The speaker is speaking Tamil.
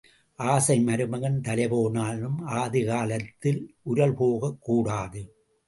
ஆசை மருமகன் தலைபோனாலும் ஆதிகாலத்து உரல் போகக் கூடாது.